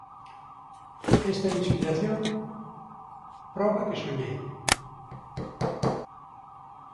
Esta inspiración proba que soñei!